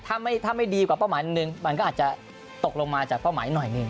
ถ้าไม่ดีกว่าเป้าหมายหนึ่งมันก็อาจจะตกลงมาจากเป้าหมายหน่อยหนึ่ง